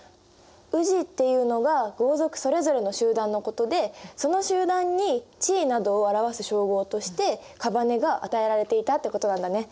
氏っていうのが豪族それぞれの集団のことでその集団に地位などを表す称号として姓が与えられていたってことなんだね。